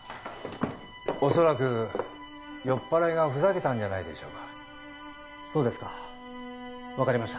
おそらく酔っ払いがふざけたんじゃないでしょうかそうですか分かりました